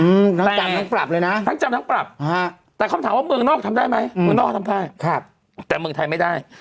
จำทั้งปรับเลยนะทั้งจำทั้งปรับฮะแต่คำถามว่าเมืองนอกทำได้ไหมเมืองนอกทำได้ครับแต่เมืองไทยไม่ได้